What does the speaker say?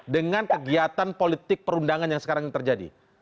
dengan kegiatan politik perundangan yang sekarang terjadi